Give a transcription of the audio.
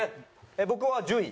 僕は１０位。